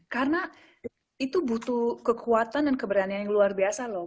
karena itu butuh kekuatan dan keberanian yang luar biasa loh